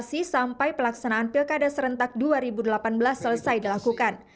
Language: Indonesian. sampai pelaksanaan pilkada serentak dua ribu delapan belas selesai dilakukan